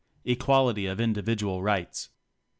Equality of individual rights.